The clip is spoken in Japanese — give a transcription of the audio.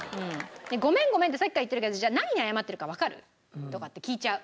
「ごめんごめんってさっきから言ってるけどじゃあ何に謝ってるかわかる？」とかって聞いちゃう。